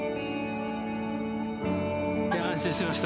安心しました。